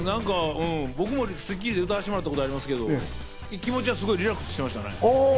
僕も『スッキリ』で歌わせてもらったことありますけど、気持ちはリラックスしてましたね。